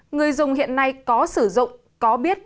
người dùng hiện nay có sử dụng có biết